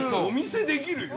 お店できるよ。